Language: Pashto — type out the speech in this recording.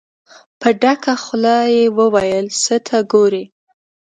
په ډکه خوله يې وويل: څه ته ګورئ؟